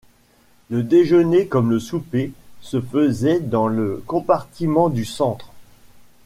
Le déjeuner, comme le souper, se faisait dans le compartiment du centre.